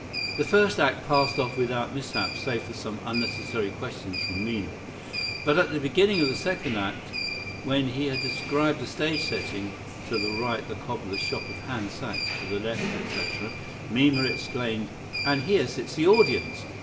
"The first act passed off without mishap save for some unnecessary questions from Minna. But at the beginning of the second act, when he had described the stage setting—'to the right the cobbler shop of Hans Sachs; to the left,' etc.,—Minna exclaimed: "'And here sits the audience!'